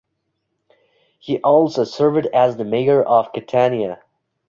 He also served as the mayor of Catania.